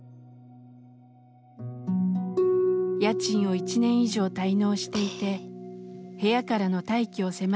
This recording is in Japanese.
家賃を１年以上滞納していて部屋からの退去を迫られていました。